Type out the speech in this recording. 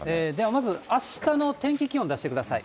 まず、あしたの天気、気温出してください。